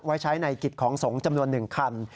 ไว้ใช้ในกิจของสงฆ์จำนวน๑คัน